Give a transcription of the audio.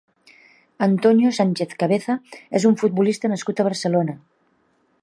Antonio Sánchez Cabeza és un futbolista nascut a Barcelona.